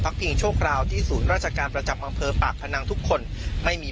พักติงโชคราวที่สูญราชการประจำบังเภอปากพนังทุกคนไม่มี